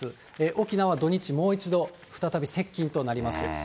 沖縄、土日もう一度再び接近となります。